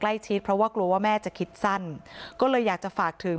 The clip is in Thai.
ใกล้ชิดเพราะว่ากลัวว่าแม่จะคิดสั้นก็เลยอยากจะฝากถึง